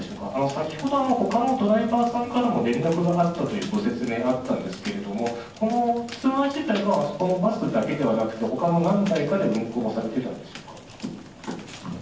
先ほど、ほかのドライバーさんからの連絡があったというご説明があったんですけれども、このツアー自体はこのバスだけではなくて、ほかの何台かで運行されてるんでしょうか？